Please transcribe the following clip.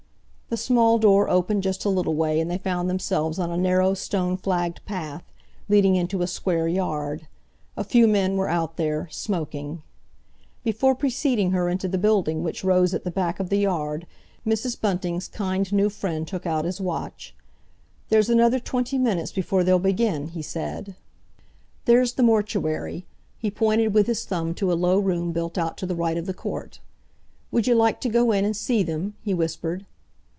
The small door opened just a little way, and they found themselves on a narrow stone flagged path, leading into a square yard. A few men were out there, smoking. Before preceding her into the building which rose at the back of the yard, Mrs. Bunting's kind new friend took out his watch. "There's another twenty minutes before they'll begin," he said. "There's the mortuary"—he pointed with his thumb to a low room built out to the right of the court. "Would you like to go in and see them?" he whispered.